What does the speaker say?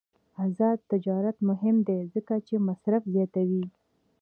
آزاد تجارت مهم دی ځکه چې مصرف زیاتوي.